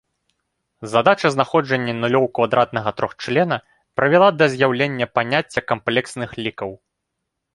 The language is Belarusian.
Задача знаходжання нулёў квадратнага трохчлена прывяла да з'яўлення паняцця камплексных лікаў.